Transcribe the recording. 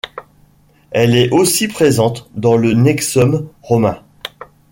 Elle est aussi présente dans le Nexum romain.